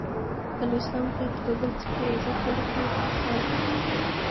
که له اسلام پرته په بل څه کې عزت و لټوو خوار به شو.